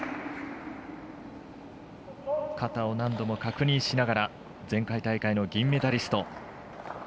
肩を何度も確認しながら前回大会の銀メダリスト。